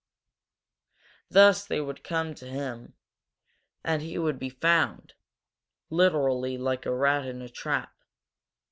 Thus they would come to him, and he would be found, literally like a rat in a trap.